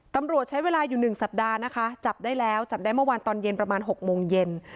ตำรวจใช้เวลาอยู่๑สัปดาห์นะคะจับได้แล้วจับได้เมื่อวานตอนเย็นประมาณ๖โมงเย็น